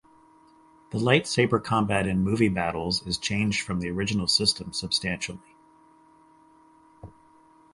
The lightsaber combat in "Movie Battles" is changed from the original system substantially.